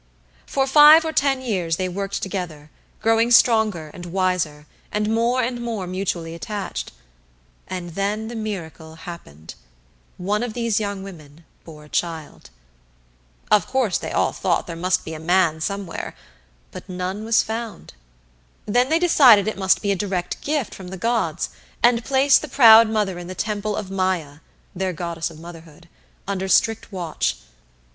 For five or ten years they worked together, growing stronger and wiser and more and more mutually attached, and then the miracle happened one of these young women bore a child. Of course they all thought there must be a man somewhere, but none was found. Then they decided it must be a direct gift from the gods, and placed the proud mother in the Temple of Maaia their Goddess of Motherhood under strict watch.